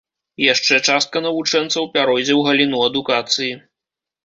Яшчэ частка навучэнцаў пяройдзе ў галіну адукацыі.